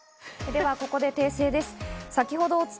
では、ここで訂正です。